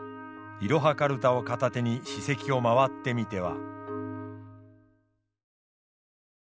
いろはかるたを片手に史跡を回ってみては。